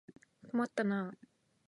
困ったなあ。